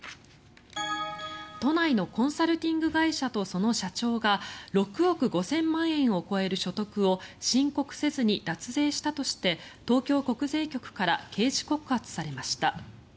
都内のコンサルティング会社とその社長が６億５０００万円を超える所得を申告せずに脱税したとして東京国税局から刑事告発されました。